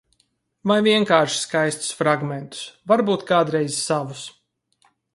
Vai vienkārši skaistus fragmentus. Varbūt kādreiz savus.